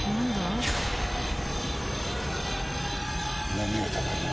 波が高いな。